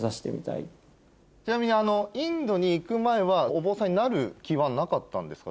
ちなみにインドに行く前はお坊さんになる気はなかったんですか？